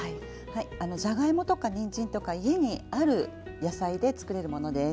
じゃがいもとかにんじんとか家にある野菜でつくれるものです。